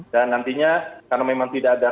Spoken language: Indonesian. dan nantinya karena memang tidak ada